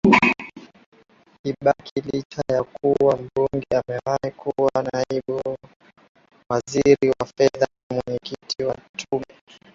Kibaki licha ya kuwa mbunge amewahi kuwa Naibu Waziri wa Fedha Mwenyekiti wa Tume